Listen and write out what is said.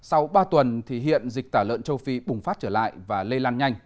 vào tuần thì hiện dịch tả lợn châu phi bùng phát trở lại và lây lan nhanh